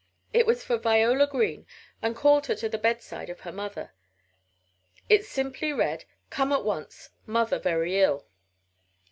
It was for Viola Green and called her to the bedside of her mother. It simply read: "Come at once. Mother very ill."